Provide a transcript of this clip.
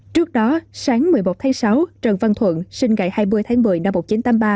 trước đó sáng một mươi một tháng sáu trần văn thuận sinh ngày hai mươi tháng một mươi năm một nghìn chín trăm tám mươi ba